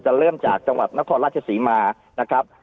เริ่มจากจังหวัดนครราชศรีมานะครับ